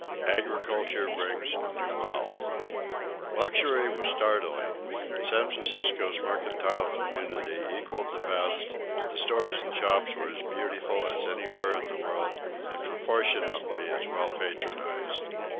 AGRICULTURE BRINGS NEW WEALTH. Luxury was startling. San Francisco's mercantile community equaled the best, the stores and shops were as beautiful as anywhere in the world and proportionately as well patronized.